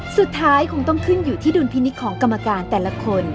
สุดท้ายคงต้องขึ้นอยู่ที่ดุลพินิษฐ์ของกรรมการแต่ละคน